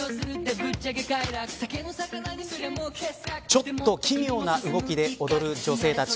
ちょっと奇妙な動きで踊る女性たち。